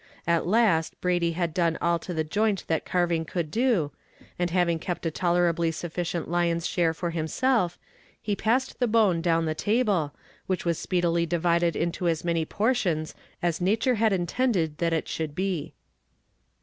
At last Brady had done all to the joint that carving could do, and having kept a tolerably sufficient lion's share for himself, he passed the bone down the table, which was speedily divided into as many portions as nature had intended that it should be.